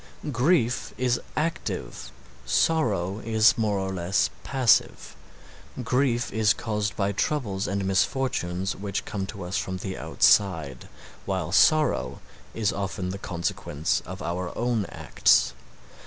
Grief is active, sorrow is more or less passive; grief is caused by troubles and misfortunes which come to us from the outside, while sorrow is often the consequence of our own acts.